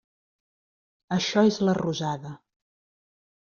Això és la rosada.